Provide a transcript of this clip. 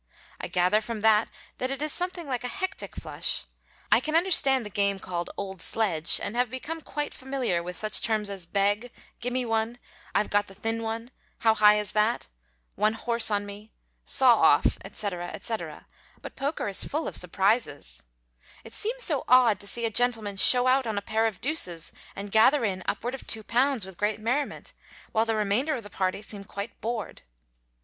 I gather from that that it is something like a hectic flush. I can understand the game called "old sledge," and have become quite familiar with such terms as "beg," "gimmeone," "I've got the thin one," "how high is that?" "one horse on me," "saw off," etc., etc., but poker is full of surprises. It seems so odd to see a gentleman "show out on a pair of deuces" and gather in upward of two pounds with great merriment, while the remainder of the party seem quite bored.